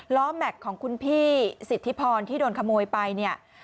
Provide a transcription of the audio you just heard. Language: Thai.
แม็กซ์ของคุณพี่สิทธิพรที่โดนขโมยไปเนี่ย